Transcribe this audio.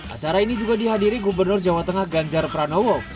acara ini juga dihadiri gubernur jawa tengah ganjar pranowo